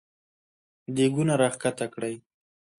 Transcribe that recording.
دېګونه راکښته کړی !